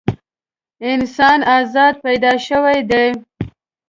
انسان ازاد پیدا شوی دی.